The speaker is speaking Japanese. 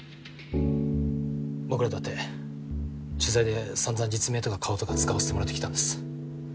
僕らだって取材でさんざん実名とか顔とか使わせてもらってきたんです。